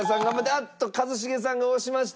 あっと一茂さんが押しました。